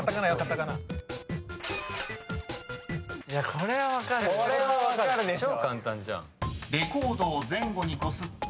これは分かるでしょ。